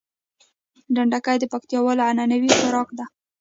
ډنډکی د پکتياوالو عنعنوي خوارک ده